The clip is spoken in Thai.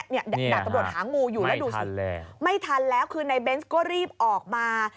ดาบตำรวจหางูอยู่แล้วดูสิไม่ทันแล้วคือในเบนส์ก็รีบออกมา